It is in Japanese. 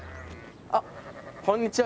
あこんにちは。